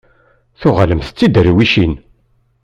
Tuɣalemt d tiderwicin?